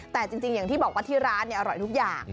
แต่จริงอย่างที่บอกว่าที่ร้านอร่อยทุกอย่าง